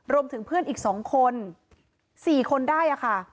รวมถึงเพื่อนอีก๒คน๔คนได้ค่ะ